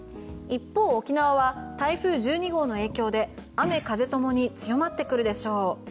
一方、沖縄は台風１２号の影響で雨、風ともに強まってくるでしょう。